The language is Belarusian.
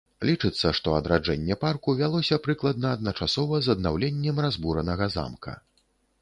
Лічыцца, што адраджэнне парку вялося прыкладна адначасова з аднаўленнем разбуранага замка.